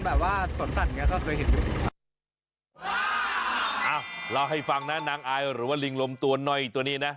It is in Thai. อ้าวเราให้ฟังนะนางอายหรือว่าลิงลมตัวหน่อยตัวนี้นะ